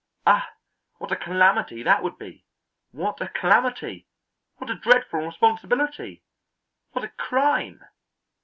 Ah, what a calamity that would be! What a calamity! What a dreadful responsibility! What a crime!